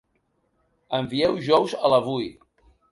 Envieu jous a l'AVUI.